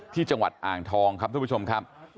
ที่จังหวัดอ่างทองครับทุกผู้ชมครับ